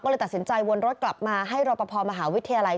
ก็เลยตัดสินใจวนรถกลับมาให้รอปภมหาวิทยาลัย